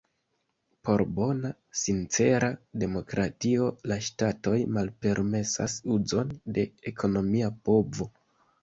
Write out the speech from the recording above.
Por bona, sincera demokratio la ŝtatoj malpermesas uzon de ekonomia povo.